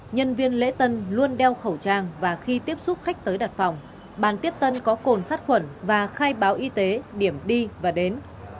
nhân viên lễ tân luôn đeo khẩu trang và khi tiếp xúc khách tới đặt phòng bàn tiếp tân có cồn sát khuẩn và khai báo y tế điểm đi và đến